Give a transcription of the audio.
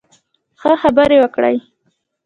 ښه، خبرې وکړئ